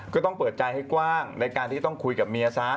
ก็ต้องเปิดใจให้กว้างในการที่ต้องคุยกับเมียซะ